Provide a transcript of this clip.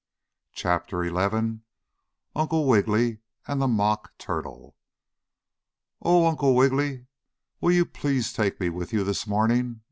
CHAPTER XI UNCLE WIGGILY AND THE MOCK TURTLE "Oh, Uncle Wiggily! Will you please take me with you this morning?"